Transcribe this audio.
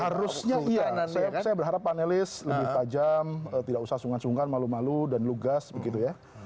harusnya iya saya berharap panelis lebih tajam tidak usah sungan sungkan malu malu dan lugas begitu ya